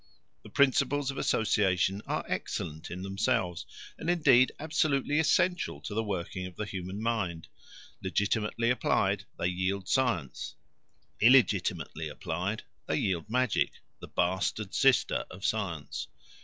The principles of association are excellent in themselves, and indeed absolutely essential to the working of the human mind. Legitimately applied they yield science; illegitimately applied they yield magic, the bastard sister of science.